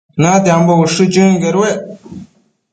Natiambo ushë chënquedued